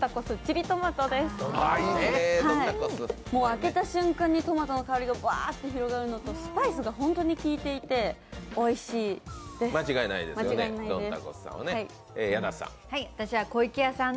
開けた瞬間にトマトの香りがぶわーっと香るのとスパイスが本当に利いていておいしいです、間違いないです。